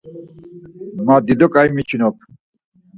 Man dido ǩai miçinop.